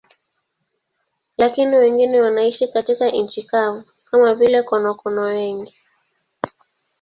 Lakini wengine wanaishi katika nchi kavu, kama vile konokono wengi.